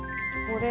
これ。